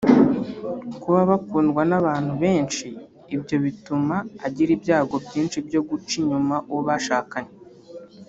Kuba bakundwa n’abantu benshi ibyo bituma agira ibyago byinshi byo guca inyuma uwo bashakanye